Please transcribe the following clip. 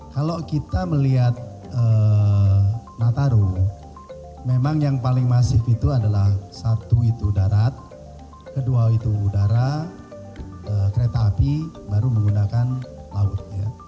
kalau kita melihat nataru memang yang paling masif itu adalah satu itu darat kedua itu udara kereta api baru menggunakan laut